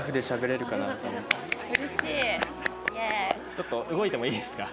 ちょっと動いてもいいですか？